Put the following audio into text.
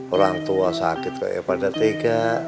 orang tua sakit kayak pada tega